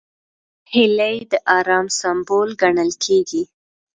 هیلۍ د ارام سمبول ګڼل کېږي